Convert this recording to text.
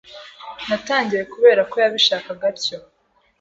Natangiye kubera ko yabishaka atyo